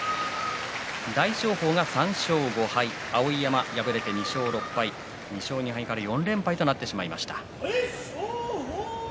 大翔鵬が３勝５敗碧山、敗れて２勝６敗２勝２敗から４連敗となってしまいました。